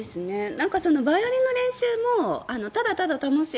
バイオリンの練習もただただ楽しい。